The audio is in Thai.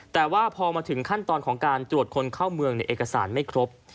แต่ว่าพอมาถึงขั้นตอนของการตรวจคนเข้าเมืองเอกสารไม่ครบ